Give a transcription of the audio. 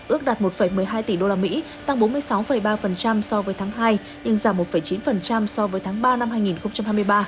ước đạt một một mươi hai tỷ usd tăng bốn mươi sáu ba so với tháng hai nhưng giảm một chín so với tháng ba năm hai nghìn hai mươi ba